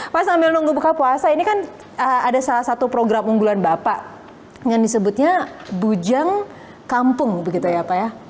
pak sambil nunggu buka puasa ini kan ada salah satu program unggulan bapak yang disebutnya bujang kampung begitu ya pak ya